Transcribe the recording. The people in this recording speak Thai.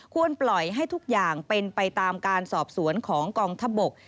ควรปล่อยให้ทุกอย่างเป็นไปตามการสอบสวนของกองทัพบก